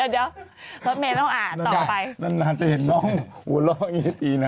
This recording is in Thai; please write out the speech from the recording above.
เดี๋ยวรถเมย์ต้องอ่านต่อไปนานนานจะเห็นน้องหัวเราะอย่างนี้ทีนะ